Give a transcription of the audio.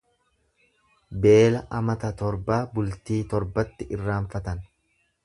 Beela amata torbaa bultii torbatti irraanfatan.